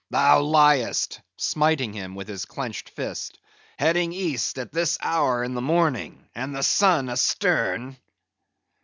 "Thou liest!" smiting him with his clenched fist. "Heading East at this hour in the morning, and the sun astern?"